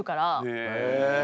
へえ。